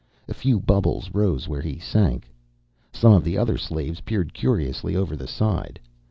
A few bubbles rose where he sank. Some of the other slaves peered curiously over the side.